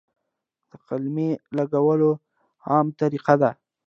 د قلمې لګول عامه طریقه ده.